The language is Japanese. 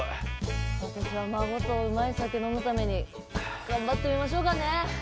私は孫とうまい酒飲むために頑張ってみましょうかねえ！